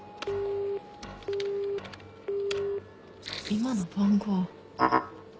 今の番号。